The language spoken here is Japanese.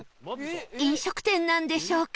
飲食店なんでしょうか？